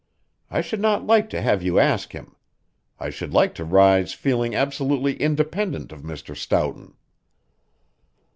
I should not like to have you ask him. I should like to rise feeling absolutely independent of Mr. Stoughton."